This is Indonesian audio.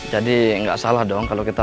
jadi gak salah dong kalo kita